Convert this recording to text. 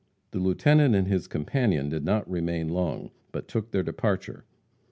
The lieutenant and his companion did not remain long, but took their departure.